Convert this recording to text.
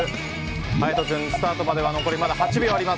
勇人君、スタートまでは残り８秒あります。